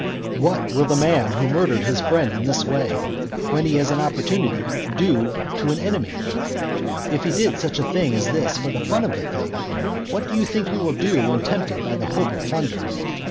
What will the man who murdered his friend in this way, when he has an opportunity, do to an enemy? and if he did such a thing as this for the fun of the thing, what do you think he will do when tempted by the hope of plunder?